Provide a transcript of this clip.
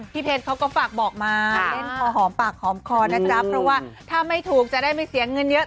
เพชรเขาก็ฝากบอกมาเล่นคอหอมปากหอมคอนะจ๊ะเพราะว่าถ้าไม่ถูกจะได้ไม่เสียเงินเยอะ